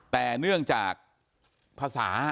แต่เนื่องจากภาษา